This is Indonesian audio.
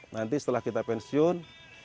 jadi setelah kita pensiun